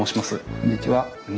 こんにちは。